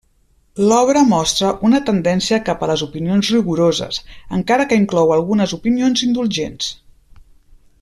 L'obra mostra una tendència cap a les opinions rigoroses, encara que inclou algunes opinions indulgents.